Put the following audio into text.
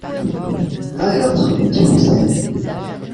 L’un et l’autre, dit Conseil.